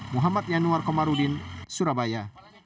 muhammad yanuar komarudin surabaya